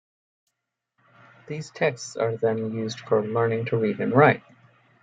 These texts are then used for learning to read and write.